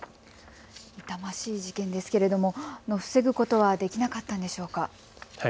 痛ましい事件ですけれども防ぐことはできなかったんでしょうか。